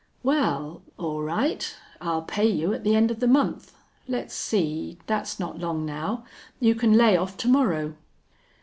"Wal, all right. I'll pay you at the end of the month. Let's see, thet's not long now. You can lay off to morrow."